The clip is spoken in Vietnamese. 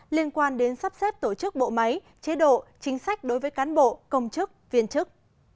liên quan đến sắp xếp tổ chức bộ máy chế độ chính sách đối với cán bộ công chức viên chức